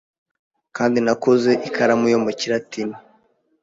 Kandi nakoze ikaramu yo mucyiratini